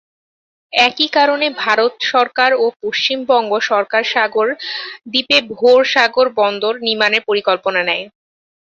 একই কারণে ভারত সরকার ও পশ্চিমবঙ্গ সরকার সাগর দ্বীপে ভোর সাগর বন্দর নির্মানের পরিকল্পনা নেয়।